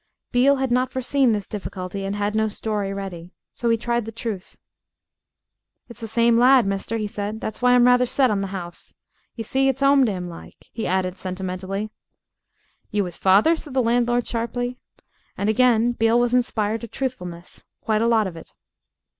Beale had not foreseen this difficulty, and had no story ready. So he tried the truth. "It's the same lad, mister," he said; "that's why I'm rather set on the 'ouse. You see, it's 'ome to 'im like," he added sentimentally. "You 'is father?" said the landlord sharply. And again Beale was inspired to truthfulness quite a lot of it.